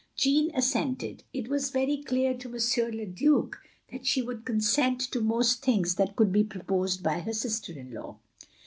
Jeanne assented. It was very clear to M. le Due that she would consent to most things that could be proposed by her sister in law.